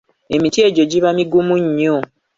Emiti egyo giba migumu nnyo.